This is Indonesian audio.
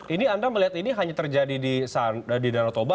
ini anda melihat ini hanya terjadi di sana di daratoba